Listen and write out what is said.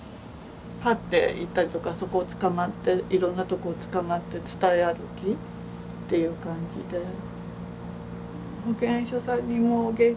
這って行ったりとかそこをつかまっていろんなとこをつかまって伝え歩きっていう感じで。